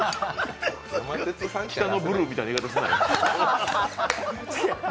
北のブルーみたいな言い方すなよ。